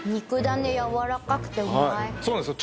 はいそうなんですよ